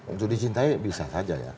untuk dicintai bisa saja ya